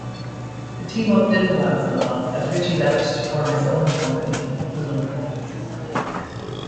The team-up didn't last long, as Richie left to form his own company, Boom!